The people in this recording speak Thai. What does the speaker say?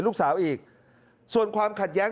ลูกสาวอีกส่วนความขัดแย้ง